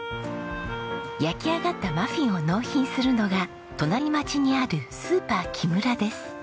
焼き上がったマフィンを納品するのが隣町にあるスーパーキムラです。